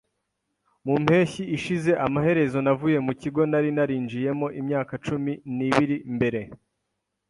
Mu mpeshyi ishize, amaherezo navuye mu kigo nari narinjiyemo imyaka cumi n'ibiri mbere.